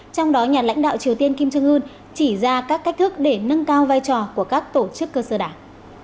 trong đó nhà lãnh đạo triều tiên kim trương ưn chỉ ra các cách thức để nâng cao vai trò của các tổ chức cơ sở đảng